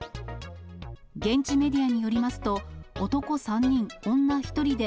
現地メディアによりますと、男３人、女１人で、